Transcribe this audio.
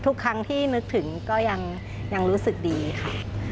ทุกครั้งที่นึกถึงก็ยังรู้สึกดีค่ะ